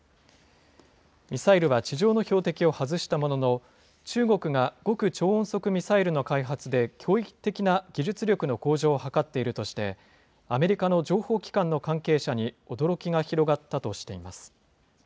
ミサイルは地上の標的を外したものの、中国が極超音速ミサイルの開発で驚異的な技術力の向上を図っているとして、アメリカの情報機関の関係者に驚き広がったとしています。